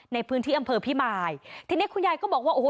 ในพื้นที่อำเภอพิมายทีนี้คุณยายก็บอกว่าโอ้โห